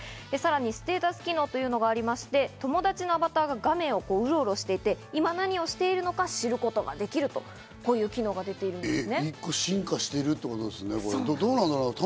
ステータス機能というのがさらにありまして、友達のアバターが画面をウロウロしていて、今、何をしているのか知ることができる、こういう機能が出ているんですね。